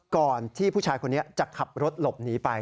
ก่อนที่ผู้ชายคนนี้จะขับรถหลบหนีไป